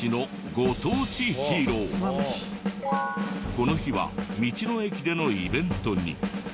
この日は道の駅でのイベントに。